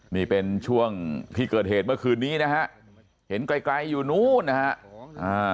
นี่เป็นช่วงที่เกิดเหตุเมื่อคืนนี้นะฮะเห็นไกลไกลอยู่นู้นนะฮะ